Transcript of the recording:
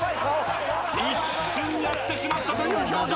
一瞬やってしまったという表情。